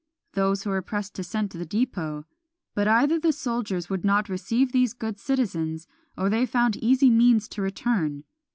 Those who were pressed were sent to the dépôt; but either the soldiers would not receive these good citizens, or they found easy means to return.